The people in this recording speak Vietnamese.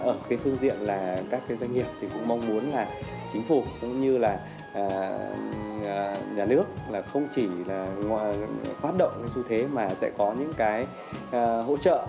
ở phương diện các doanh nghiệp cũng mong muốn chính phủ cũng như nhà nước không chỉ phát động xu thế mà sẽ có những hỗ trợ